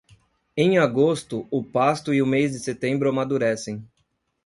Em agosto, o pasto e o mês de setembro amadurecem.